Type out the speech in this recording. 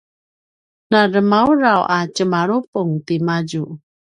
na dremaudraw a tjemalupung timadju